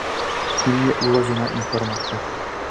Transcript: Tím je uložena informace.